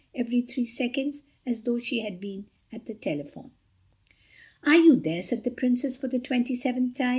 every three seconds, as though she had been at the telephone. "Are you there?" said the Princess for the twenty seventh time.